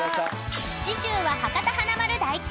［次週は博多華丸・大吉！］